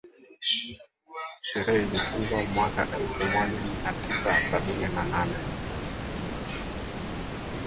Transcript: sheria ilitungwa mwaka elfu moja mia tisa sabini na nane